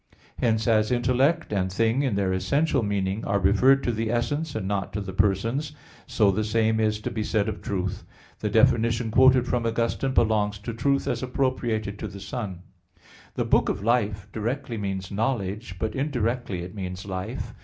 Hence, as intellect and thing in their essential meaning, are referred to the essence, and not to the persons, so the same is to be said of truth. The definition quoted from Augustine belongs to truth as appropriated to the Son. The "book of life" directly means knowledge but indirectly it means life.